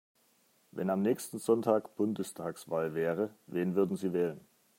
Wenn am nächsten Sonntag Bundestagswahl wäre, wen würden Sie wählen?